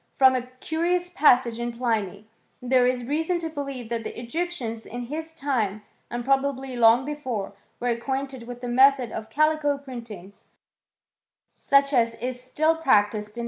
From a cunous passage in Pliny, there if reason to believe that the Egyptians in his time, and' probably long before, were acquainted with the method of calico printing, such as is still practised in IndiS: •»* Plmii Hist.